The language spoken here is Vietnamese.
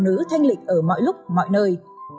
thứ thanh lịch ở mọi lúc mọi nơi